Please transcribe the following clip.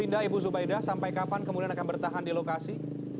indah ibu zubaidah sampai kapan kemudian akan bertahan di lokasi